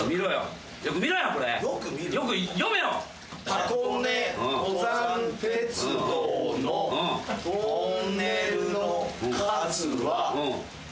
「箱根登山鉄道のトンネルの数は」